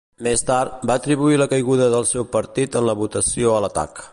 Més tard, va atribuir la caiguda del seu partit en la votació a l'atac.